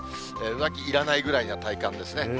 上着いらないぐらいの体感ですね。